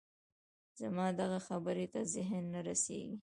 زما دغه خبرې ته ذهن نه رسېږي